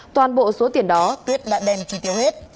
toàn bộ số tiền đó tuyết đã đem chi tiêu hết